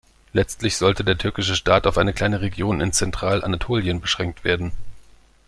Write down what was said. Letztlich sollte der türkische Staat auf eine kleine Region in Zentralanatolien beschränkt werden.